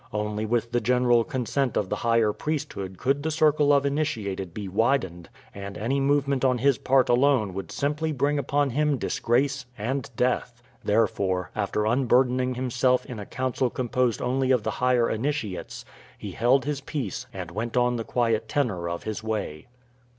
Only with the general consent of the higher priesthood could the circle of initiated be widened, and any movement on his part alone would simply bring upon himself disgrace and death. Therefore, after unburdening himself in a council composed only of the higher initiates, he held his peace and went on the quiet tenor of his way.